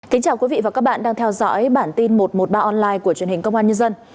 kính chào quý vị và các bạn đang theo dõi bản tin một trăm một mươi ba online của truyền hình công an nhân dân